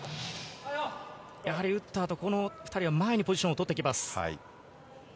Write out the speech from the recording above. やはり打ったあと、この２人は前にポジションを取ってきます。